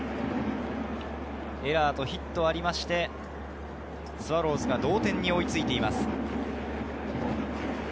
エラーとヒットがあって、スワローズは同点に追いついています。